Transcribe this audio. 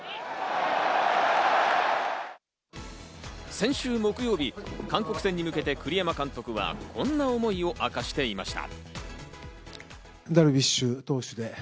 先週木曜日、韓国戦に向けて、栗山監督はこんな思いを明かしていました。